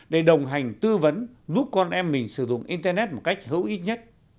để đồng hành tư vấn giúp con em mình sử dụng internet một cách hữu ích nhất